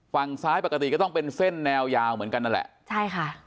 ฝั่งซ้ายปกติก็ต้องเป็นเส้นแนวยาวเหมือนกันนั่นแหละใช่ค่ะ